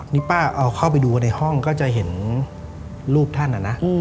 นี่ป้าเอาเข้าไปดูในห้องก็จะเห็นรูปท่านนะนะ